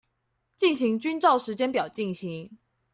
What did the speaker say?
進行均依照時間表進行